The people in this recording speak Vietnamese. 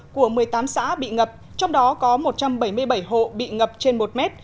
của một mươi tám xã bị ngập trong đó có một trăm bảy mươi bảy hộ bị ngập trên một mét